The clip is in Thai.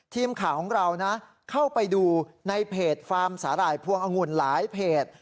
ทีมข่าวของเรานะเข้าไปดูในเพจฟาร์มสาหร่ายพวงองุ่นหลายเพจ